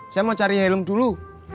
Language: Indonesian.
saya mau cari helm dulu